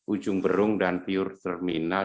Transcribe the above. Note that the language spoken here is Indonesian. ujung berung dan pure terminal